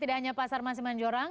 tidak hanya pak salman simanjorang